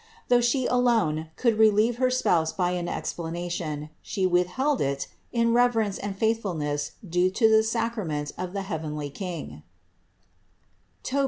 Though She alone could relieve her spouse by an explanation, She withheld it in reverence and faithfulness due to the sac rament of the heavenly King (Tob.